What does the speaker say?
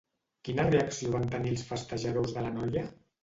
Quina reacció van tenir els festejadors de la noia?